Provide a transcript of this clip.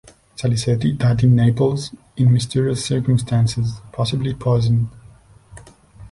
Saliceti died in Naples in mysterious circumstances, possibly poisoned.